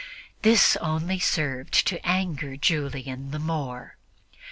This only served to anger Julian the more.